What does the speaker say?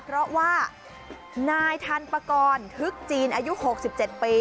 เพราะว่านายทันปกรณ์ทึกจีนอายุ๖๗ปี